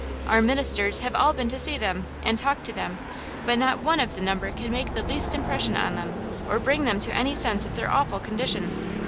Our ministers have all been to see them, and talked to them, but not one of the number can make the least impression on them, or bring them to any sense of their awful condition!"